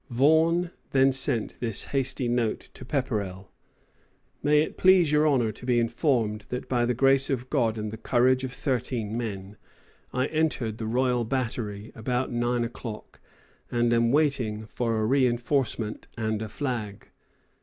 ] Vaughan then sent this hasty note to Pepperrell: "May it please your Honour to be informed that by the grace of God and the courage of 13 men, I entered the Royal Battery about 9 o'clock, and am waiting for a reinforcement and a flag."